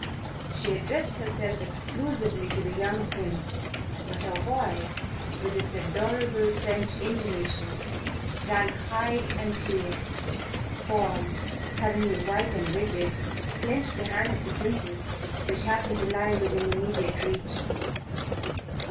She addressed herself exclusively to the young Prince; but her voice, with its adorable French intonation, rang high and clear. Paul, suddenly white and rigid, clenched the hand of the Princess which happened to lie within immediate reach.